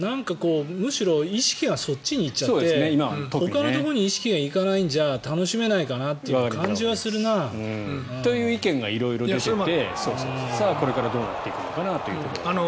むしろ意識がそっちに行っちゃってほかのところに意識が行かないんじゃ楽しめないかなという感じがするな。という意見が色々出ていてこれからどうなっていくのかなというところですね。